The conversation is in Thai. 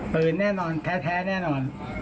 เฟิร์นแน่นอนแธนแท้แน่นอน